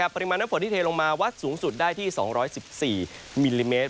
ปริมาณน้ำฝนที่เทลงมาวัดสูงสุดได้ที่๒๑๔มิลลิเมตร